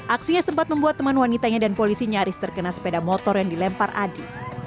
aksinya sempat membuat teman wanitanya dan polisi nyaris terkena sepeda motor yang dilempar adi